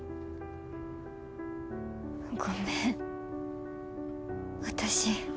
ごめん私。